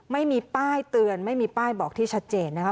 ไม่มีป้ายเตือนไม่มีป้ายบอกที่ชัดเจนนะคะ